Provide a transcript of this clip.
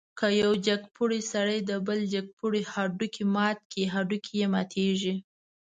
که یو جګپوړی سړی د بل جګپوړي هډوکی مات کړي، هډوکی یې ماتېږي.